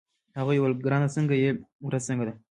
هغې وویل: ګرانه څنګه يې، ورځ څنګه ده؟